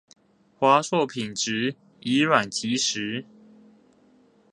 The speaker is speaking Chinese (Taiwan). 華碩品質以卵擊石